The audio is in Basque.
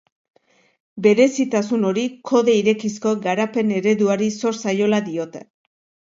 Berezitasun hori kode irekizko garapen-ereduari zor zaiola diote.